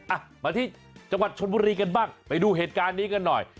อ่ะมาที่จังหวัดชนบุรีกันบ้างไปดูเหตุการณ์นี้กันหน่อย